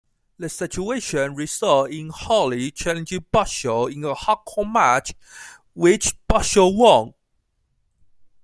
The situation resulted in Holly challenging Bradshaw in a Hardcore match, which Bradshaw won.